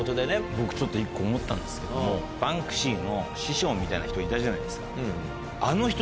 僕１個思ったんですけどもバンクシーの師匠みたいな人いたじゃないですか。